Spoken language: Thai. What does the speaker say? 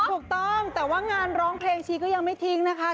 ถูกต้องแต่ว่างานร้องเพลงชีก็ยังไม่ทิ้งนะคะ